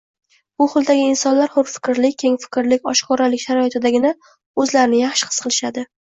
Bu xildagi insonlar hurfikrlik, kengfikrlik, oshkoralik sharoitidagina o‘zlarini yaxshi his qilishadi.